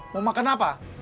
mau makan apa